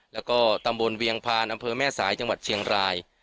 แล้วก็ตำบลเวียงพานอำเภอแม่สายจังหวัดเชียงราย